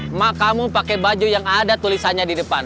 emak kamu pakai baju yang ada tulisannya di depan